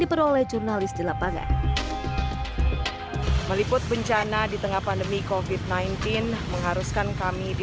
diperoleh jurnalis di lapangan meliput bencana di tengah pandemi kofit sembilan belas mengharuskan kami di